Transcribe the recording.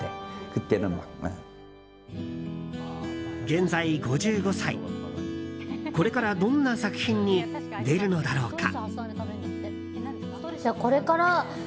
現在５５歳、これからどんな作品に出るのだろうか。